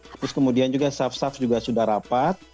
terus kemudian juga safsaf juga sudah rapat